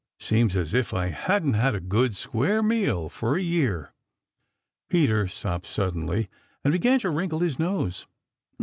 Seems as if I hadn't had a good square meal for a year." Peter stopped suddenly and began to wrinkle his nose.